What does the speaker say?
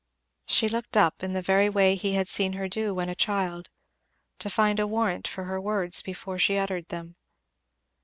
She looked up, in the very way he had seen her do when a child, to find a warrant for her words before she uttered them.